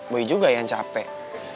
boy juga yang capek